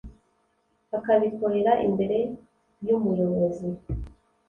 akabikorera imbere yu muyobozi